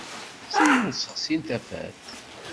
Ttun ur ssexsin tafat.